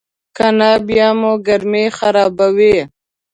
کنه بیا مو ګرمي خرابوي.